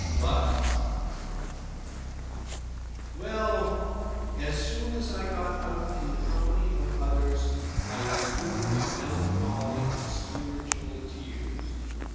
But Well, as soon as I got out in the company of others I was driven to melancholy and spiritual tears.